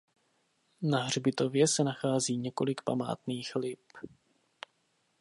Na hřbitově se nachází několik památných lip.